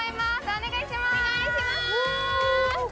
お願いします